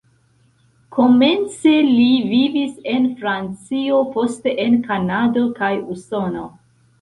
Komence li vivis en Francio, poste en Kanado kaj Usono.